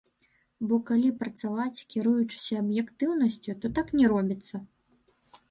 Бо калі працаваць, кіруючыся аб'ектыўнасцю, то так не робіцца.